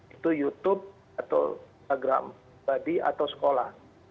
itu youtube atau instagram body atau sekolah